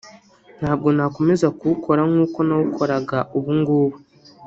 Ntabwo nakomeza kuwukora nk’uko nawukoraga ubu ngubu